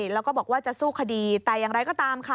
แล้วก็บอกว่าจะสู้คดีแต่อย่างไรก็ตามค่ะ